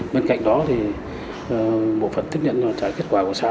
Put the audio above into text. bên cạnh đó thì bộ phận tiếp nhận và trả kết quả của xã